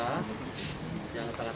yang sangat mendalam